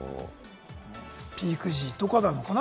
ピーク時とかなのかな？